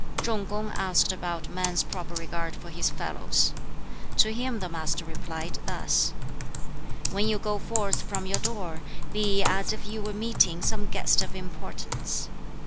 Chung kung asked about man's proper regard for his fellows. To him the Master replied thus: "When you go forth from your door, be as if you were meeting some guest of importance.